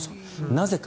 なぜか。